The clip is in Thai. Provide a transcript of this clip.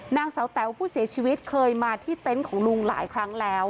นางสาวแต๋วผู้เสียชีวิตเคยมาที่เต็นต์ของลุงหลายครั้งแล้ว